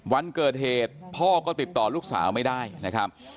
วันเกิดเหตุพ่อก็ติดต่อลูกสาวไม่ได้นะครับ